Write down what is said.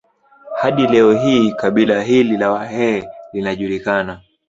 Hadi leo hii kabila hili la Wahee linajulikana